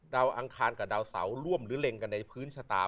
อังคารกับดาวเสาร่วมหรือเล็งกันในพื้นชะตา